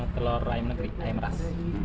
telur ayam negeri ayam ras